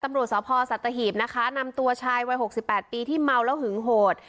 ตำรวจสพสัตหีบนะคะนำตัวชายวัย๖๘ปีที่เมาแล้วหึงโหด